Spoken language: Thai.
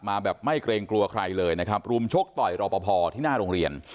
มาแบบไม่เกรงกลัวใครเลยนะครับรุมชกต่อยรอปภที่หน้าโรงเรียน